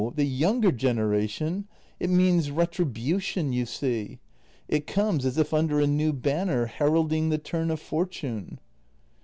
The younger generation — it means retri bution, you see. It comes, as if under a new banner, heralding the turn of fortune.